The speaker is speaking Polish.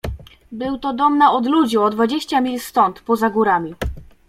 "Był to dom na odludziu, o dwadzieścia mil stąd, poza górami."